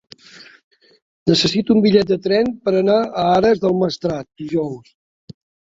Necessito un bitllet de tren per anar a Ares del Maestrat dijous.